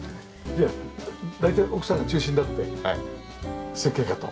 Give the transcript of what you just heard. じゃあ大体奥さんが中心になって設計家と。